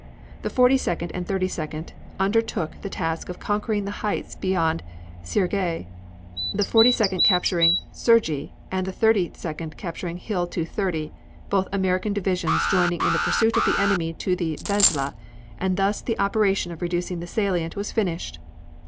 The Forty second and Thirty second undertook the task of conquering the heights beyond Cierges, the Forty second capturing Sergy and the Thirty second capturing Hill 230, both American divisions joining in the pursuit of the enemy to the Vesle, and thus the operation of reducing the salient was finished.